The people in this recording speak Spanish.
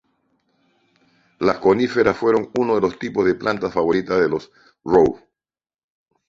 Las coníferas fueron uno de los tipos de plantas favoritas de los Rowe.